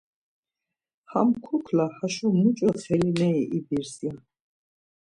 Ham kukla haşo muç̌o xelineri ibirs ya.